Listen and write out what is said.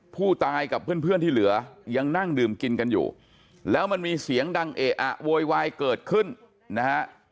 ผู้ตายกับเพื่อนที่เหลือยังนั่งดื่มกินกันอยู่แล้วมันมีเสียงดังเอะอะโวยวายเกิดขึ้นนะฮะ